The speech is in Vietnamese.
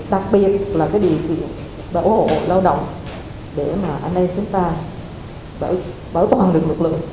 đặc biệt là cái điều kiện ủng hộ lao động để mà anh em chúng ta bảo toàn được lực lượng